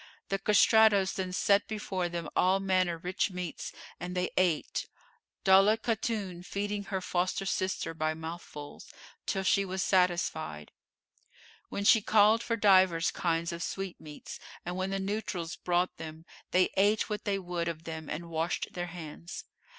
The castratos then set before them all manner rich meats and they ate, Daulat Khatun feeding her foster sister by mouthfuls,[FN#453] till she was satisfied; when she called for divers kinds of sweetmeats, and when the neutrals brought them, they ate what they would of them and washed their hands.